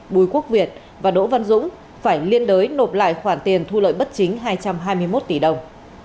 bùi quốc việt và đỗ văn dũng phải liên đối nộp lại khoản tiền thu lợi bất chính hai trăm hai mươi một tỷ đồng